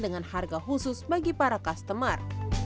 dengan harga khusus bagi para customer